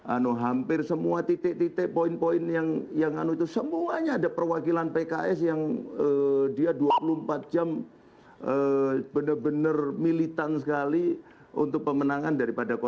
anu hampir semua titik titik poin poin yang anu itu semuanya ada perwakilan pks yang dia dua puluh empat jam benar benar militan sekali untuk pemenangan daripada dua